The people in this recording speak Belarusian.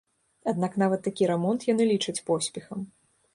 Аднак нават такі рамонт яны лічаць поспехам.